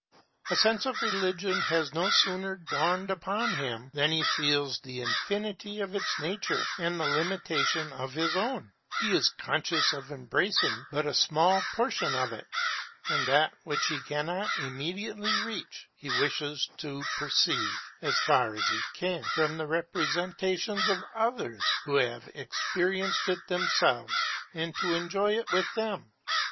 A sense of religion has no sooner dawned upon him, than he feels the infinity of its nature and the limitation of his own; he is conscious of embracing but a small portion of it; and that which he cannot immediately reach he wishes to perceive, as far as he can, from the representations of others who have experienced it themselves, and to enjoy it with them.